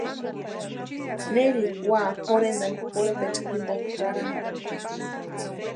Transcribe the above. Neri úa jorhentani pʼorhepecha jimpo karani.